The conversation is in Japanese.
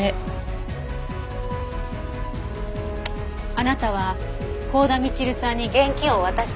あなたは幸田みちるさんに現金を渡した事がある。